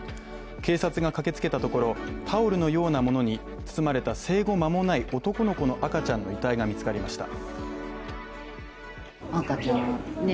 警察が駆けつけたところ、タオルのようなものに包まれた生後間もない男の子の赤ちゃんの遺体が見つかりました。